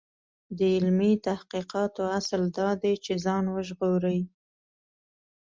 د علمي تحقیقاتو اصل دا دی چې ځان وژغوري.